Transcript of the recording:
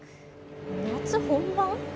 夏本番！